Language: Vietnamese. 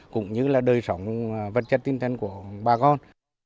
cũng như là đời sống vật chất tinh thần của bà con